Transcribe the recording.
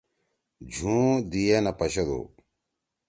جُھوں دی ئے نہ پشَدو۔